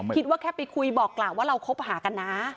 คิดว่าแค่ไปคุยบอกกล่าวว่าเราคบหากันนะ